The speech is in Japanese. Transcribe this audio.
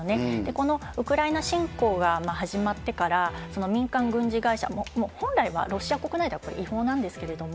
このウクライナ侵攻が始まってから、民間軍事会社、本来はロシア国内ではこれ、違法なんですけれども。